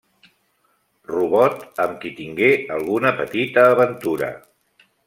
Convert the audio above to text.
Robot, amb qui tingué alguna petita aventura.